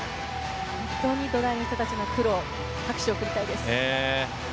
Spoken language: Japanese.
本当に土台の人たちの苦労拍手を送りたいです。